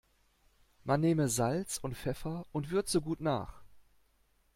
Man nehme Salz und Pfeffer und würze gut nach.